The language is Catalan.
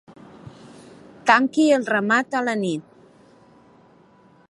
Tanqui el ramat a la nit.